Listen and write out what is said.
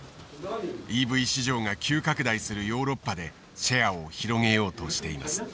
ＥＶ市場が急拡大するヨーロッパでシェアを広げようとしています。